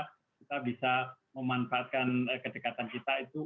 kita bisa memanfaatkan kedekatan kita itu